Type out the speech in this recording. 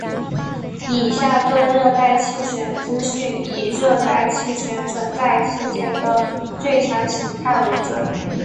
以下各热带气旋资讯以热带气旋存在期间的最强形态为准。